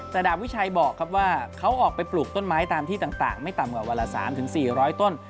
แต่ดาบวิชัยบอกครับว่าเขาออกไปปลูกต้นไม้ตามที่ต่างไม่ต่ำกว่าวันละ๓๔๐๐ต้น